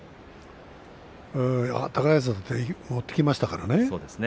高安だって持っていきましたからね。